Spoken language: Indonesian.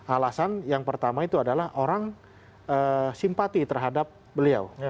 alasan yang pertama itu adalah orang simpati terhadap beliau